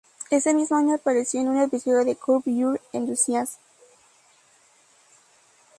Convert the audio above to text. Ese mismo año apareció en un episodio de "Curb Your Enthusiasm".